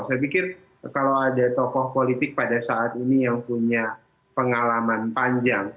saya pikir kalau ada tokoh politik pada saat ini yang punya pengalaman panjang